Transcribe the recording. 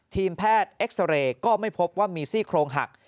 ทีมแพทย์เอ็กซาเรย์ก็ไม่พบว่ามีซี่โครงหัก